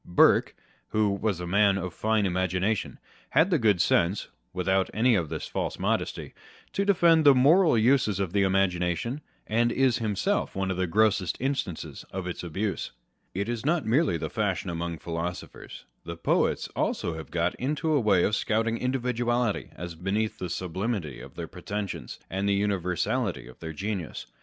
Burke, who was a man of fine imagination, had the good sense (without any of this false modesty) to defend the moral uses of the imagination, and is himself one of the grossest instances of its abuse. It is not merely the fashion among philosophers â€" the poets also have got into a way of scouting individuality as beneath the sublimity of their pretensions, and the univer sality of their genius.